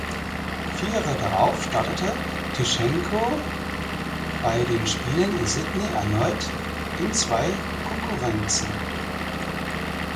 Vier Jahre darauf startete Tischtschenko bei den Spielen in Sydney erneut in zwei Konkurrenzen.